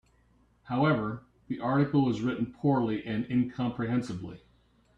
However, the article is written poorly and incomprehensibly.